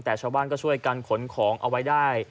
แต่ชาวบ้านก็ช่วยกันขนของเอาไว้ได้